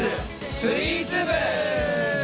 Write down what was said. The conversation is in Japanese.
スイーツ部！